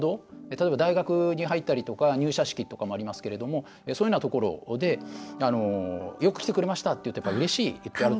例えば大学に入ったりとか入社式とかもありますけれどもそういうようなところでよく来てくれましたっていうとうれしい。